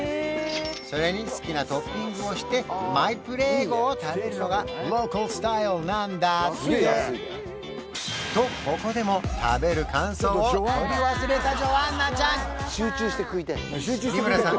それに好きなトッピングをしてマイプレーゴを食べるのがローカルスタイルなんだってとここでも食べる感想を撮り忘れたジョアンナちゃん三村さん